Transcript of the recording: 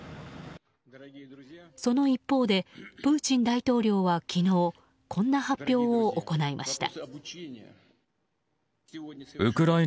その一方でプーチン大統領は昨日こんな発表を行いました。